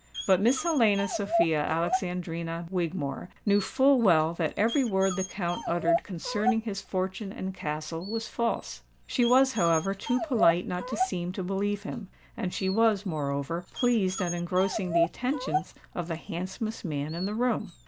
But Miss Helena Sophia Alexandrina Wigmore knew full well that every word the Count uttered concerning his fortune and castle was false. She was, however, too polite not to seem to believe him; and she was, moreover, pleased at engrossing the attentions of the handsomest man in the room.